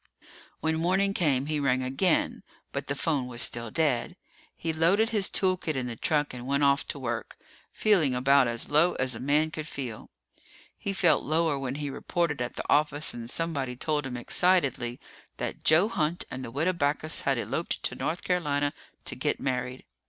When morning came, he rang again, but the phone was still dead. He loaded his tool kit in the truck and went off to work, feeling about as low as a man could feel. He felt lower when he reported at the office and somebody told him excitedly that Joe Hunt and the Widow Backus had eloped to North Carolina to get married.